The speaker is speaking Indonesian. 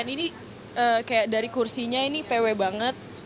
ini kayak dari kursinya ini pw banget